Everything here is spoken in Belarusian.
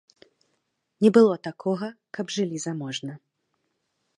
Не было такога, каб жылі заможна.